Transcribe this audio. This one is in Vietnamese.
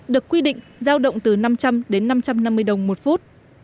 được quy định giao động từ năm trăm linh đến năm trăm năm mươi đồng một phút